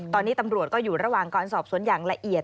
ตอนนี้ตำรวจก็อยู่ระหว่างการสอบสวนอย่างละเอียด